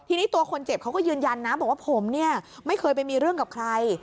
ทีนี้ตัวคนเจ็บเขาก็ยืนยันนะบอกว่าผมเนี่ยไม่เคยไปมีเรื่องกับใคร